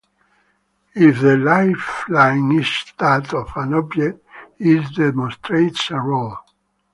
If the lifeline is that of an object, it demonstrates a role.